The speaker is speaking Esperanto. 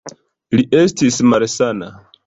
Li estis malsana.